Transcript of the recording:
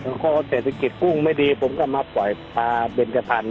พอเศรษฐกิจกุ้งไม่ดีผมก็มาปล่อยปลาเบนจพันธ